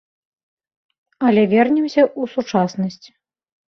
Але вернемся ў сучаснасць.